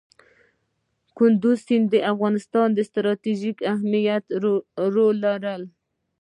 کندز سیند د افغانستان په ستراتیژیک اهمیت کې رول لري.